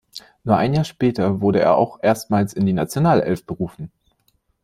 Nur ein Jahr später wurde er auch erstmals in die Nationalelf berufen.